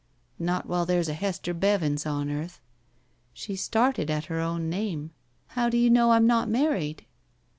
"Not while there's a Hester Bevins on earth." She started at her own name. How do you know I'm not married?"